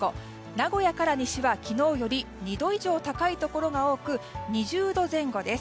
名古屋から西は昨日より２度以上高いところが多く２０度前後です。